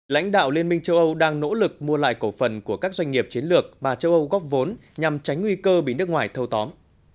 lãnh đạo liên minh châu âu đang nỗ lực mua lại cổ phần của các doanh nghiệp chiến lược mà châu âu góp vốn nhằm tránh nguy cơ bị nước ngoài thâu tóm